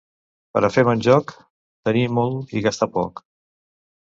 Per a fer bon joc, tenir molt i gastar poc.